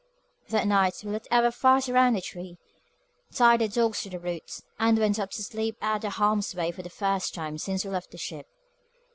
That night we lit our fires round the tree, tied the dogs to the roots, and went up to sleep out of harm's way for the first time since we left the ship.